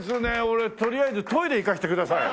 俺とりあえずトイレ行かせてください。